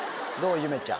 ゆめちゃん。